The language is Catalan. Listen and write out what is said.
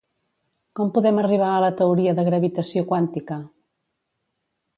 Com podem arribar a la teoria de gravitació quàntica?